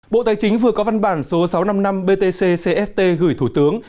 bộ tài chính vừa có văn bản số sáu trăm năm mươi năm btc cst gửi thủ tướng